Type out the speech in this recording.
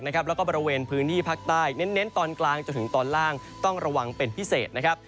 แล้วก็บริเวณพื้นที่ภาคใต้เน้นตอนกลางจนถึงตอนล่างต้องระวังเป็นพิเศษนะครับ